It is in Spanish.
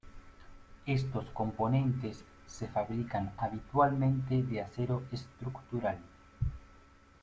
Estos componentes se fabrican habitualmente de acero estructural.